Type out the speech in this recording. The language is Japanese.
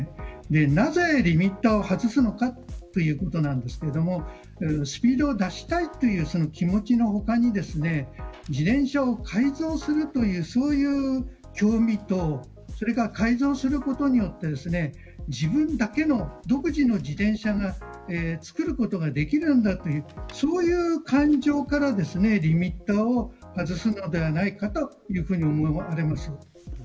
なぜリミッターを外すのかということなんですがスピードを出したいという気持ちの他に自転車を改造するというそういう興味と改造することによって自分だけの独自の自転車を作ることができるんだという感情からリミッターを外すのではないかというふうに思います。